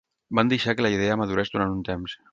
Van deixar que la idea madurés durant un temps.